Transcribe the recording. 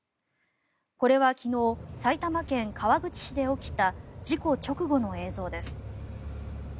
これは昨日埼玉県川口市で起きた事故直後の映像です。